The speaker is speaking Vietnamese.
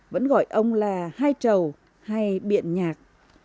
vẫn gọi ông là hai trầu hay biện nhạc